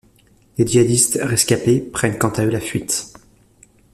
Les djihadistes rescapés prennent quant à eux la fuite.